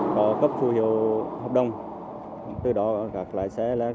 hoạt động này lại hoạt động một cách bất chấp